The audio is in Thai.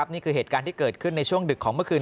นี่คือเหตุการณ์ที่เกิดขึ้นในช่วงดึกของเมื่อคืน